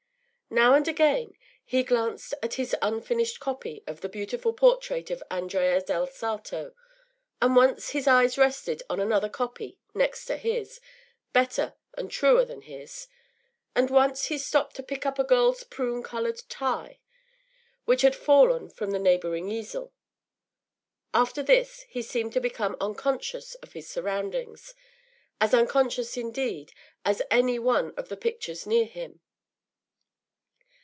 Now and again he glanced at his unfinished copy of the beautiful portrait of Andrea del Sarto, and once his eyes rested on another copy next to his, better and truer than his, and once he stopped to pick up a girl’s prune coloured tie, which had fallen from the neighbouring easel. After this he seemed to become unconscious of his surroundings, as unconscious, indeed, as any one of the pictures near him.